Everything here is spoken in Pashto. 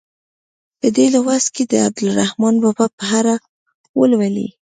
په دې لوست کې به د عبدالرحمان بابا په اړه ولولئ.